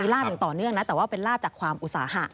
ลาบอย่างต่อเนื่องนะแต่ว่าเป็นลาบจากความอุตสาหะ